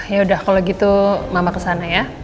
yaudah kalo gitu mama kesana ya